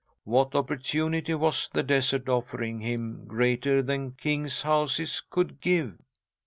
What opportunity was the desert offering him greater than kings' houses could give?